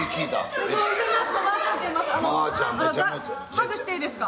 ハグしていいですか？